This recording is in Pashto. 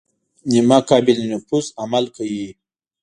نیمه قابل نفوذ عمل کوي.